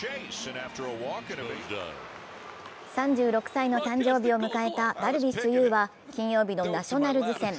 ３６歳の誕生日を迎えたダルビッシュ有は金曜日のナショナルズ戦。